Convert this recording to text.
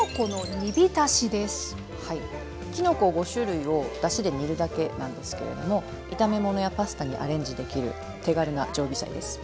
きのこ５種類をだしで煮るだけなんですけれども炒め物やパスタにアレンジできる手軽な常備菜です。